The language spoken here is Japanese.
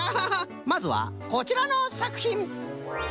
まずはこちらのさくひん！